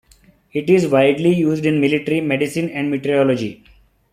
It is widely used in military, medicine, and meteorology.